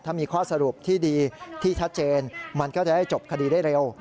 ถ้ามีข้อสรุปที่ดีที่ชัดเจนมันก็จะได้จบคดีได้เร็ว